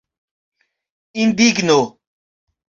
Indigno.